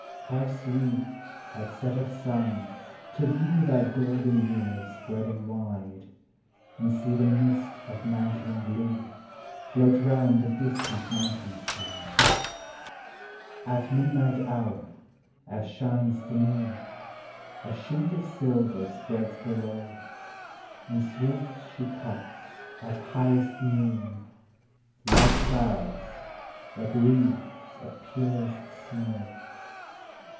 How sweet, at set of sun, to view Thy golden mirror spreading wide, And see the mist of mantling blue Float round the distant mountain's side. At midnight: hour, as shines the moon, A sheet of silver spreads below, And swift she (Mils, at highest QOOn, Light clouds, like wreaths of purest snow.